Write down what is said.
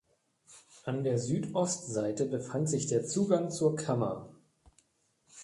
An der Südostseite befand sich der Zugang zur Kammer.